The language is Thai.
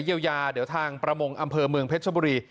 เยียวยาเดี๋ยวทางประมงอำเภอเมืองเพชรชบุรี